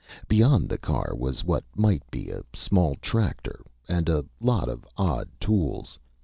Beyond the car was what might be a small tractor. And a lot of odd tools.